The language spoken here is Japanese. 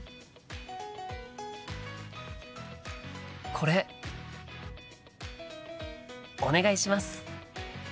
これお願いします。